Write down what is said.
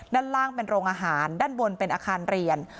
ด้านล่างเป็นโรงอาหารด้านบนเป็นอาคารเรียน